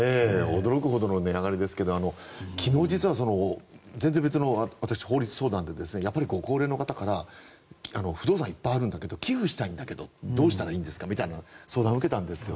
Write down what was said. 驚くほどの値上がりですけど昨日、全然別の法律相談で高齢の方から不動産、いっぱいあるんだけど寄付したいんだけどどうしたらいいんですかみたいな相談を受けたんですよ。